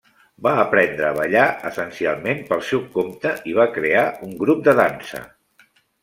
Va aprendre a ballar essencialment pel seu compte i va crear un grup de dansa.